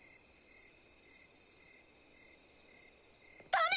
ダメ！